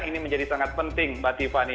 ini menjadi sangat penting mbak tiffany